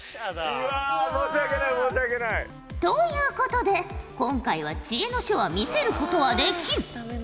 うわ申し訳ない申し訳ない。ということで今回は知恵の書は見せることはできん。